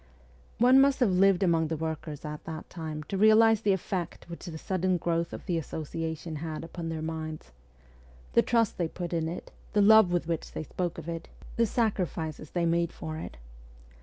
One must have lived among the workers at that time to realize the effect which the sudden growth of the Association had upon their minds the trust they put in it, the love with which they spoke of it, the sacrifices they made for it.